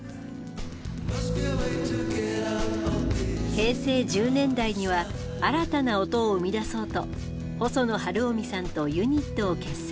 平成１０年代には新たな音を生み出そうと細野晴臣さんとユニットを結成。